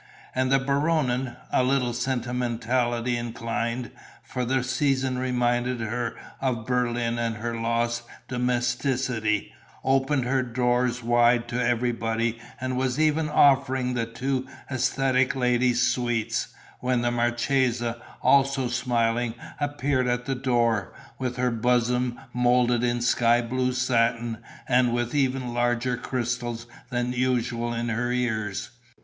And the Baronin, a little sentimentally inclined, for the season reminded her of Berlin and her lost domesticity, opened her doors wide to everybody and was even offering the two æsthetic ladies sweets, when the marchesa, also smiling, appeared at the door, with her bosom moulded in sky blue satin and with even larger crystals than usual in her ears.